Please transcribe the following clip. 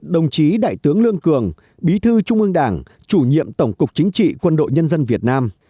đồng chí đại tướng lương cường bí thư trung ương đảng chủ nhiệm tổng cục chính trị quân đội nhân dân việt nam